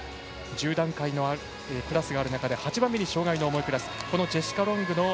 １０段階のクラスがある中８番目に障がいの重いクラス。